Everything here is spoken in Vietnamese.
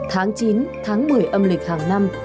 tháng chín tháng một mươi âm lịch hàng năm